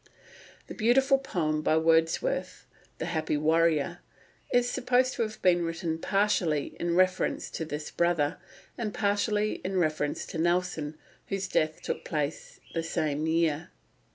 The beautiful poem by Wordsworth, "The Happy Warrior," is supposed to have been written partly in reference to this brother, and partly in reference to Nelson, whose death took place the same year (1805).